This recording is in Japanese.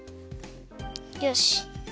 よし。